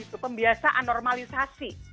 itu pembiasaan normalisasi